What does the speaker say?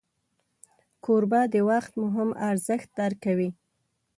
کوربه د وخت مهم ارزښت درک کوي.